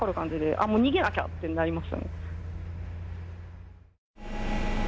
あっ、もう、逃げなきゃっていう感じになりました。